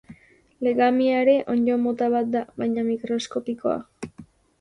Legamia ere, onddo mota bat da, baina mikroskopikoa.